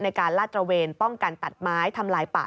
ลาดตระเวนป้องกันตัดไม้ทำลายป่า